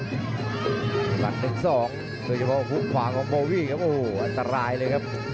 กลับหนึ่งสองโดยเฉพาะภูมิขวาของโบวี่ครับโอ้โหอันตรายเลยครับ